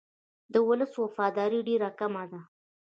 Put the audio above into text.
د ولس وفاداري ډېره کمه ده.